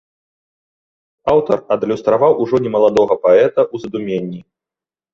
Аўтар адлюстраваў ужо немаладога паэта ў задуменні.